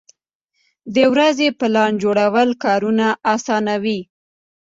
د ورځې پلان جوړول کارونه اسانوي.